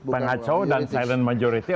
pengacau dan silent majority